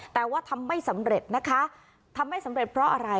แต่ว่าทำไม่สำเร็จนะคะทำไม่สำเร็จเพราะอะไร